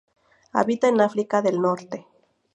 Habita en África del Norte.